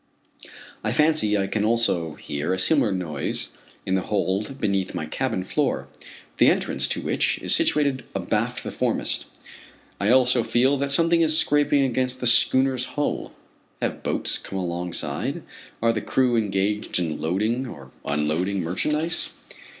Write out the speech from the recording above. I fancy I can also hear a similar noise in the hold beneath my cabin floor, the entrance to which is situated abaft the foremast. I also feel that something is scraping against the schooner's hull. Have boats come alongside? Are the crew engaged in loading or unloading merchandise?